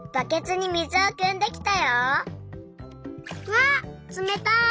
わっつめたい！